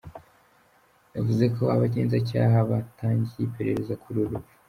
Yavuze ko abagenzacyaha batangiye iperereza kuri uru rupfu.